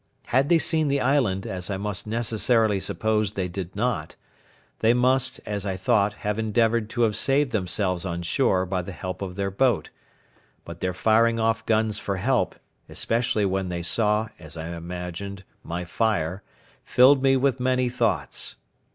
Had they seen the island, as I must necessarily suppose they did not, they must, as I thought, have endeavoured to have saved themselves on shore by the help of their boat; but their firing off guns for help, especially when they saw, as I imagined, my fire, filled me with many thoughts.